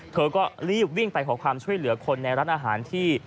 เธอก็รีบวิ่งไปขอความช่วยเหลือคนในร้านอาหารที่